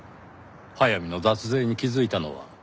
速水の脱税に気づいたのは。